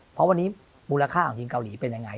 เพราะวันนี้มูลค่าของทีมเกาหลีเป็นยังไง